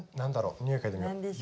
匂い嗅いでみよう。